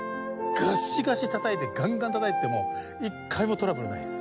ガシガシたたいてガンガンたたいてても一回もトラブルないです。